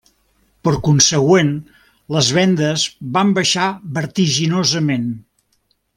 Per consegüent, les vendes van baixar vertiginosament.